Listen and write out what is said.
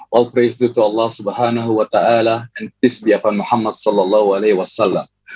all praise due to allah subhanahu wa ta ala and peace be upon muhammad sallallahu alaihi wasallam